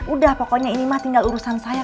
udah pokoknya ini mah tinggal urusan saya